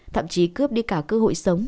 thậm chí cướp đi cả cơ hội sống